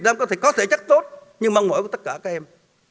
làm sao sinh viên việt nam có thể chắc tốt nhưng mang mỏi của tất cả các em